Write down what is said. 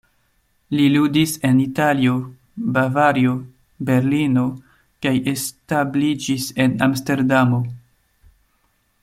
Li ludis en Italio, Bavario, Berlino kaj establiĝis en Amsterdamo.